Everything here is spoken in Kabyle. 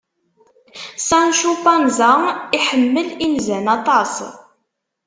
Sancu Panza iḥemmel inzan aṭas.